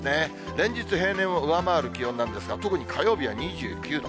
連日、平年を上回る気温なんですが、特に火曜日は２９度。